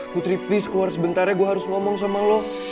putri please keluar sebentarnya gue harus ngomong sama lo